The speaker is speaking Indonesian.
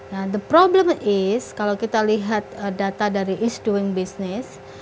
nah the problem is kalau kita lihat data dari east doing business